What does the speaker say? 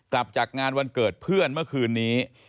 กลับจากงานวันเกิดเพื่อนเมื่อคืนนี้